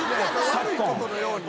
悪いことのように。